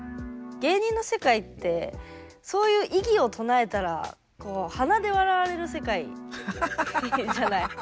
芸人の世界ってそういう異議を唱えたらこう鼻で笑われる世界じゃない。